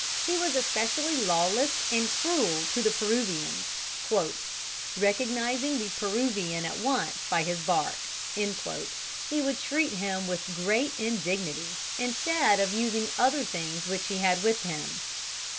He was especially lawless and cruel to the Peruvians: "recognizing the Peruvian at once by his bark," he would treat him with great indignity, instead of using other things which he had with him.